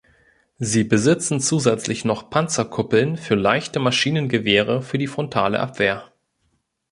Sie besitzen zusätzlich noch Panzerkuppeln für leichte Maschinengewehre für die frontale Abwehr.